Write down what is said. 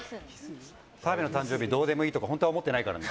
澤部の誕生日どうでもいいとか本当は思ってないからね。